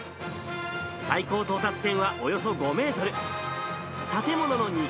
最高到達点はおよそ５メートル。